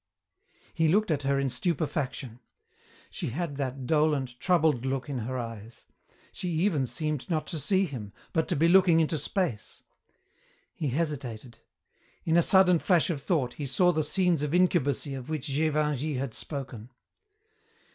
He looked at her in stupefaction. She had that dolent, troubled look in her eyes. She even seemed not to see him, but to be looking into space. He hesitated.... In a sudden flash of thought he saw the scenes of incubacy of which Gévingey had spoken.